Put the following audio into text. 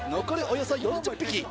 残りおよそ４０匹。